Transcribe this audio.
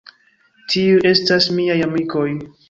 Tiuj estas miaj amikoj.